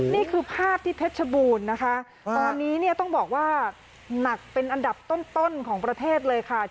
นี่คือภาพที่เพชรชบูรณ์นะคะตอนนี้เนี่ยต้องบอกว่าหนักเป็นอันดับต้นของประเทศเลยค่ะ